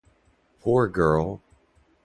Poor girl!